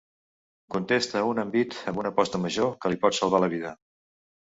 Contesta a un envit amb una aposta major que li pot salvar la vida.